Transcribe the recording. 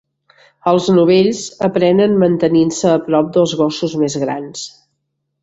Els novells aprenen mantenint-se a prop dels gossos més grans.